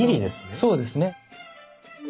そうですね。